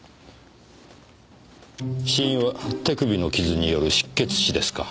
死因は手首の傷による失血死ですか。